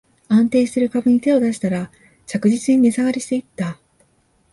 安定してる株に手を出したら、着実に値下がりしていった